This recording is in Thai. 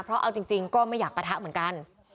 เพราะเอาจริงก็ไม่อยากปะทะเหมือนกัน